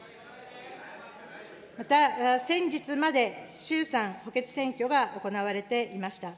また、先日まで衆参補欠選挙が行われていました。